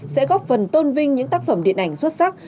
sẽ góp phần tôn vinh những tác phẩm điện ảnh xuất sắc